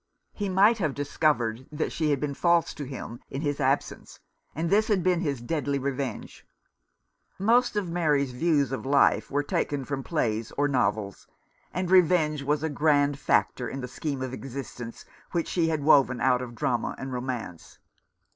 He might have discovered that she had been false to him in his absence, and this had been his deadly revenge. Most of Mary's views of life were taken from plays 163 Rough Justice. or novels ; and revenge was a grand factor in the scheme of existence which she had woven out of drama and romance.